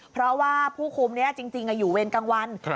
เพราะว่าผู้คุมนี้จริงอยู่เวรกลางวัน